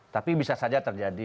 tapi bisa saja terjadi